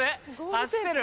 走ってる。